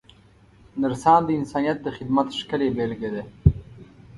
نرسان د انسانیت د خدمت ښکلې بېلګه ده.